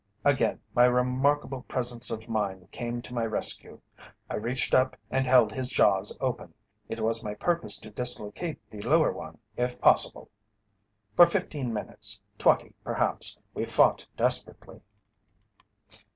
Again my remarkable presence of mind came to my rescue. I reached up and held his jaws open. It was my purpose to dislocate the lower one, if possible. "For fifteen minutes twenty perhaps we fought desperately.